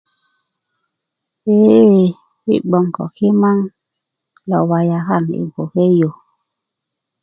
eee yi bgwoŋ ko kimaŋ lo wayya kaŋ i bgwoke yu